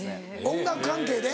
音楽関係で？